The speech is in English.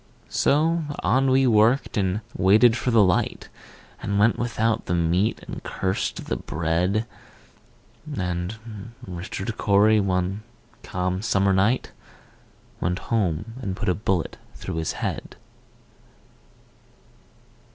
So on we worked, and waited for the light, And went without the meat, and cursed the bread; And Richard Cory, one calm summer night, Went home and put a bullet through his head.